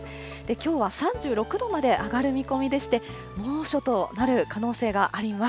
きょうは３６度まで上がる見込みでして、猛暑となる可能性があります。